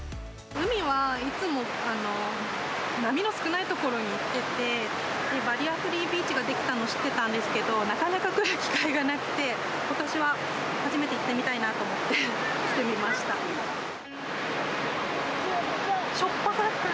海はいつも波の少ない所に行ってて、バリアフリービーチができたのは知ってたんですけど、なかなか来る機会がなくて、ことしは初めて行ってみたいなと思って来てみました。